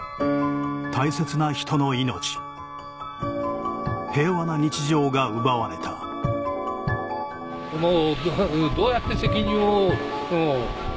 大切な人の命平和な日常が奪われたもう。